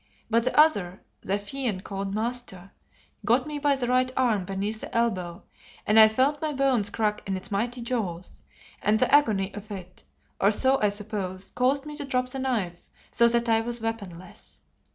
But the other, the fiend called Master, got me by the right arm beneath the elbow, and I felt my bones crack in its mighty jaws, and the agony of it, or so I suppose, caused me to drop the knife, so that I was weaponless.